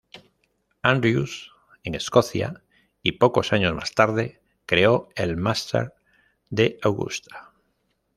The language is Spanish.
Andrews, en Escocia; y pocos años más tarde creó el Masters de Augusta.